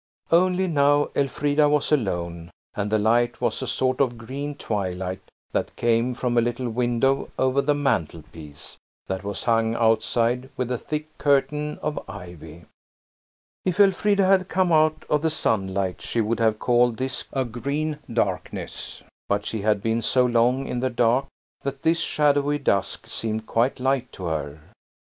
Only now Elfrida was alone, and the light was a sort of green twilight that came from a little window over the mantelpiece, that was hung outside with a thick curtain of ivy. If Elfrida had come out of the sunlight she would have called this a green darkness. But she had been so long in the dark that this shadowy dusk seemed quite light to her.